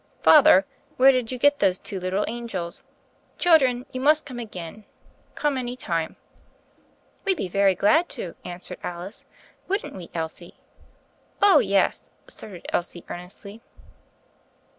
"Father, where did you get those two little angels? Children, you must come again — come any time." "We'd be very glad to," answered Alice; "wouldn't we, Elsie?" "Oh, yes 1" asserted Elsie earnestly.